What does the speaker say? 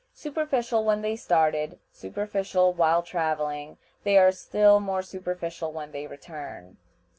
Superficial when they started, superficial while traveling, they are still more superficial when they return.